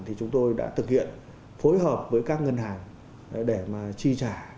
thì chúng tôi đã thực hiện phối hợp với các ngân hàng để tri trả